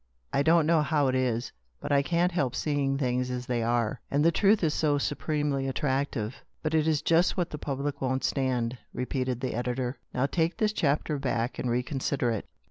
I don't know how it is, but I can't help seeing things as they are, and the truth is so su premely attractive." "But it is just what the public won't stand," repeated the editor. " Now take this chapter back and reconsider it.